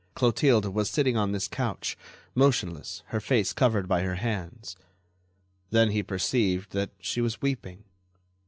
Clotilde was sitting on this couch, motionless, her face covered by her hands. Then he perceived that she was weeping.